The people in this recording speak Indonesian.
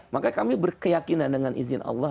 makanya kami berkeyakinan dengan izin allah